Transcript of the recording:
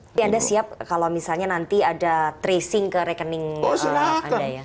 jadi anda siap kalau misalnya nanti ada tracing ke rekening anda ya